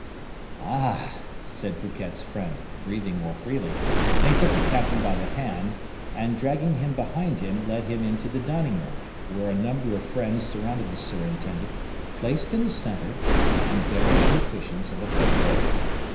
"Ah!" said Fouquet's friend, breathing more freely; and he took the captain by the hand, and, dragging him behind him, led him into the dining room, where a number of friends surrounded the surintendant, placed in the center, and buried in the cushions of a fauteuil.